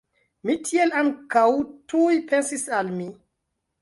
Mi tiel ankaŭ tuj pensis al mi!